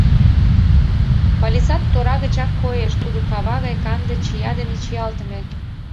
Палисад тора гычак коеш: тудо кава гай канде чия дене чиялтыме.